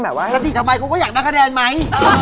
ถ้าฉีกทำไมกูก็อยากได้แนะแครงมั้ย